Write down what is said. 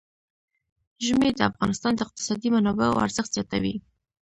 ژمی د افغانستان د اقتصادي منابعو ارزښت زیاتوي.